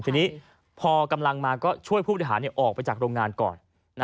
ทีนี้พอกำลังมาก็ช่วยผู้บริหารออกไปจากโรงงานก่อน